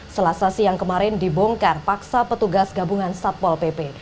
selasa siang kemarin dibongkar paksa petugas gabungan satpol pp